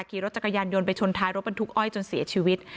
ขี่รถจักรยานยนต์ไปชนท้ายรถบรรทุกอ้อยจนเสียชีวิต